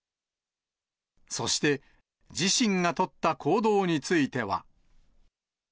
そして自身が取った行動については。